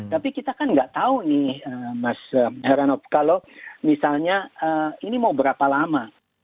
tapi kita kan gak tau nih mas heranop kalau misalnya ini mau berapa lama